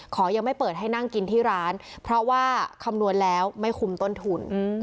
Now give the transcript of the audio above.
ยังไม่เปิดให้นั่งกินที่ร้านเพราะว่าคำนวณแล้วไม่คุมต้นทุน